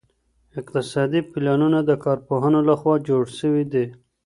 اقتصادي پلانونه د کارپوهانو لخوا جوړ سوي دي.